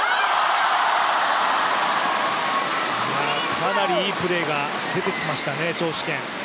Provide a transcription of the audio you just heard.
かなりいいプレーが出てきましたね、張殊賢。